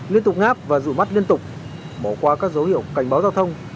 liên tục ngáp và rủ mắt liên tục bỏ qua các dấu hiệu cảnh báo giao thông